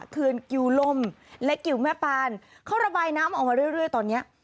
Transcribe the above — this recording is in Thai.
เขื่อนกิวลมและกิวแม่ปานเขาระบายน้ำออกมาเรื่อยตอนเนี้ย